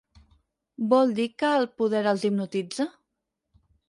Vol dir que el poder els hipnotitza?